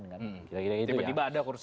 tiba tiba ada kursi wakil menteri